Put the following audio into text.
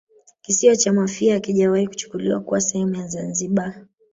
Kisiwa cha Mafia hakijawahi kuchukuliwa kuwa sehemu ya Zanzibar